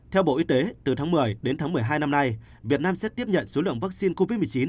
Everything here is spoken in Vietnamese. theo bộ y tế từ tháng một mươi đến tháng một mươi hai năm nay việt nam sẽ tiếp nhận số lượng vaccine covid một mươi chín